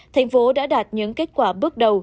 tp hcm đã đạt những kết quả bước đầu